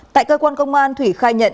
tại cơ quan công an thủy khai nhận